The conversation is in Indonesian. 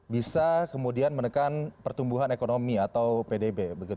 bisa kemudian menekan pertumbuhan ekonomi atau pdb